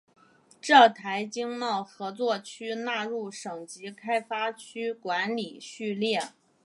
浙台经贸合作区纳入省级开发区管理序列。